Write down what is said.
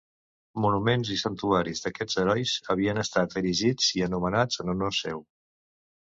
Monuments i santuaris d'aquests herois havien estat erigits i anomenats en honor seu.